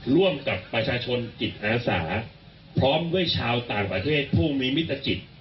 ร่วมกับประชาชนจิตอาสาพร้อมด้วยชาวต่างประเทศผู้มีมิตรจิต